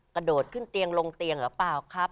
กระโดดขึ้นเตียงลงเตียงหรือเปล่าครับ